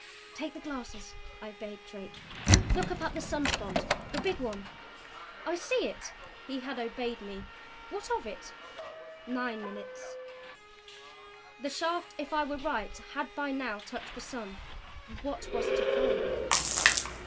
"Take the glasses," I bade Drake. "Look up at the sun spot the big one." "I see it." He had obeyed me. "What of it?" Nine minutes. The shaft, if I were right, had by now touched the sun. What was to follow?